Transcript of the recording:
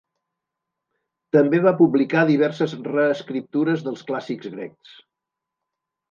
També va publicar diverses reescriptures dels clàssics grecs.